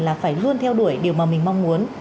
và tôi sẽ luôn theo đuổi điều mà mình mong muốn